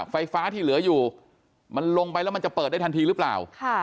ไฟฟ้าที่เหลืออยู่มันลงไปแล้วมันจะเปิดได้ทันทีหรือเปล่า